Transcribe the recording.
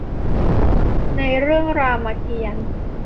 ในเรื่องรามเกียรติ์